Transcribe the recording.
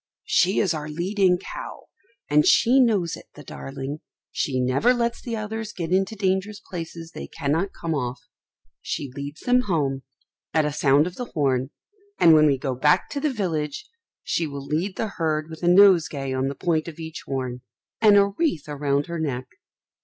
She is our leading cow, and she knows it, the darling. She never lets the others get into dangerous places they cannot come off; she leads them home, at a sound of the horn; and when we go back to the village, she will lead the herd with a nosegay on the point of each horn, and a wreath round her neck.